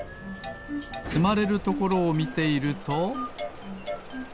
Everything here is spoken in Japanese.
つまれるところをみていると。